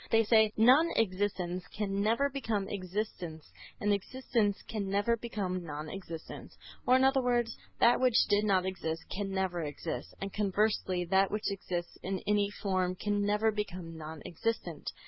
They say "non existence can never become existence and existence can never become non existence;" or, in other words, that which did not exist can never exist, and conversely that which exists in any form can never become non existent.